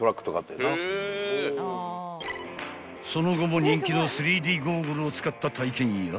［その後も人気の３Ｄゴーグルを使った体験や］